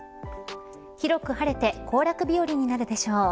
広く晴れて行楽日和になるでしょう。